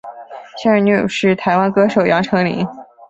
现任女友是台湾歌手杨丞琳。